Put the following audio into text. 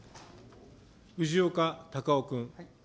藤岡隆雄君。